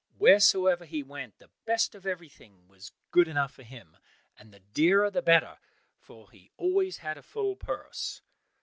Wheresoever he went, the best of everything was good enough for him, and the dearer the better, for he had always a full purse.